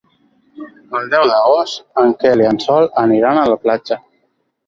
El deu d'agost en Quel i en Sol aniran a la platja.